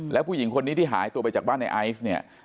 แล้วผู้หญิงคนนี้ที่หายตัวไปจากบ้านในไอซ์เนี่ย